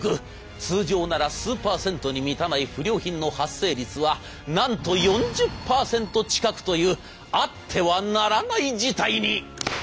通常なら数パーセントに満たない不良品の発生率はなんと４０％近くというあってはならない事態に。